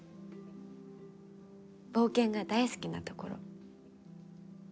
冒険が大好きなところ。